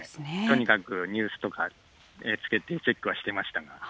とにかくニュースとかつけて、チェックはしてました。